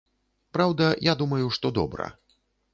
Праўда, я думаю, што добра.